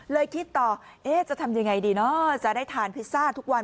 คิดต่อจะทำยังไงดีเนอะจะได้ทานพิซซ่าทุกวัน